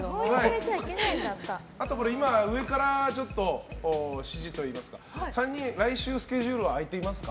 あと、上からちょっと指示といいますか３人、来週スケジュールは空いてますか？